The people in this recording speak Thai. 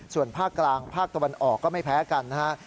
ส่วนภาคกลางภาคตะวันออกก็ไม่แพ้กันนะครับ